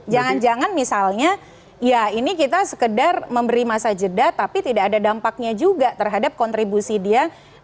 jangan jangan misalnya ya ini kita sekedar memberi masa jeda tapi tidak ada dampaknya juga terhadap kontribusi dia